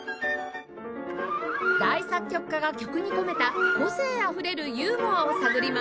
大作曲家が曲に込めた個性あふれるユーモアを探ります